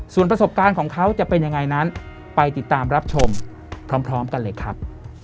ส่วนประสบการณ์ของเขาจะเป็นยังไงนั้นไปติดตามรับชมพร้อมกันเลยครับ